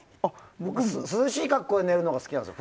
涼しい格好で寝るのが好きなんですよ。